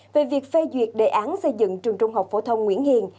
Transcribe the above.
về việc phê duyệt đề án xây dựng trường trung học phổ thông nguyễn hiền